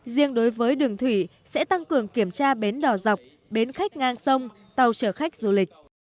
riêng đối với đường thủy sẽ tăng cường kiểm tra bến đỏ dọc bến khách ngang sông tàu chở khách du lịch